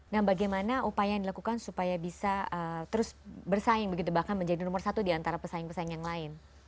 nah bagaimana upaya yang dilakukan supaya bisa terus bersaing begitu bahkan menjadi nomor satu diantara pesaing pesaing yang lain